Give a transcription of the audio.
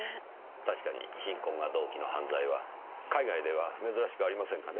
確かに貧困が動機の犯罪は海外では珍しくありませんがね。